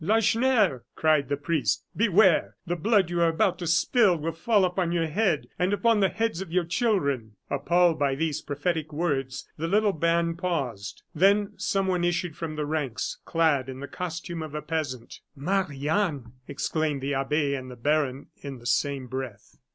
"Lacheneur," cried the priest, "beware! The blood you are about to spill will fall upon your head, and upon the heads of your children!" Appalled by these prophetic words, the little band paused. Then someone issued from the ranks, clad in the costume of a peasant. "Marie Anne!" exclaimed the abbe and the baron in the same breath.